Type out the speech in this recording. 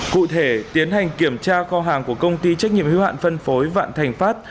cụ thể tiến hành kiểm tra kho hàng của công ty trách nhiệm hưu hạn phân phối vạn thành pháp